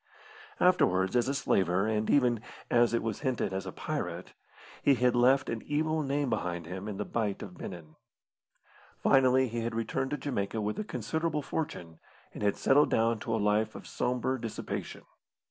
Afterwards, as a slaver, and even, as it was hinted, as a pirate, he had left an evil name behind him in the Bight of Benin. Finally he had returned to Jamaica with a considerable fortune, and had settled down to a life of sombre dissipation.